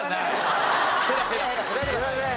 すいません。